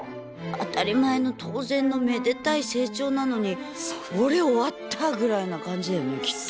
当たり前の当然のめでたい成長なのにオレ終わったぐらいな感じだよねきっと。